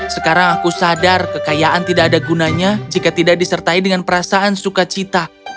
sekarang aku sadar kekayaan tidak ada gunanya jika tidak disertai dengan perasaan sukacita